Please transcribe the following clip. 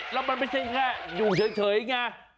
แล้วมันไม่ใช่แค่อยู่เฉยไง